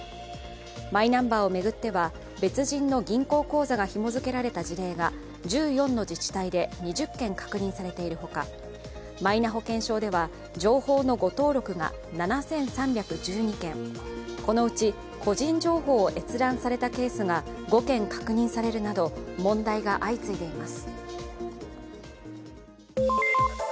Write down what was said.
マイナンバーを巡っては別人の銀行口座がひも付けられた事例が１４の自治体で２０件確認されているほか、マイナ保険証では情報の誤登録が７３１２件、このうち個人情報を閲覧されたケースが５件確認されるなど、問題が相次いでいます。